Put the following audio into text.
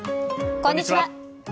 こんにちは。